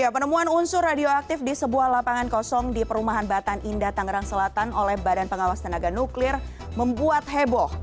penemuan unsur radioaktif di sebuah lapangan kosong di perumahan batan indah tangerang selatan oleh badan pengawas tenaga nuklir membuat heboh